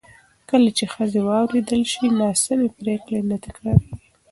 کله چې ښځې واورېدل شي، ناسمې پرېکړې نه تکرارېږي.